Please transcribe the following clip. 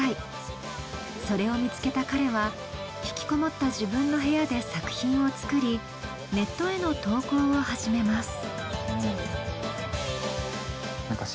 それを見つけた彼は引きこもった自分の部屋で作品を作りネットへの投稿を始めます。